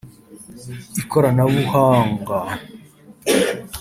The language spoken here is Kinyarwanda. ikoranabuhhanga